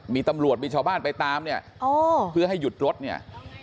มีตำรวจมีชาวบ้านไปตามเนี่ยเพื่อให้หยุดรถเนี่ย